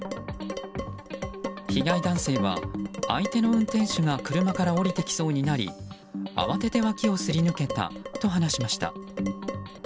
被害男性は相手の運転手が車から降りてきそうになり慌てて脇をすり抜けたと話しました。